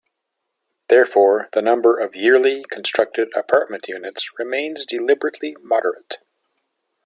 Therefore the number of yearly constructed apartment units remains deliberately moderate.